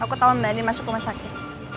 aku tau mbak andin masuk rumah sakit